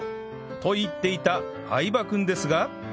と言っていた相葉君ですが